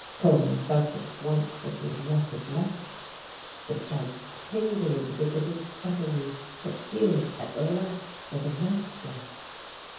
Coleman felt at once that he had met his match; the Judge tingled with the discovery that here at last was a master.